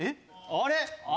あれ？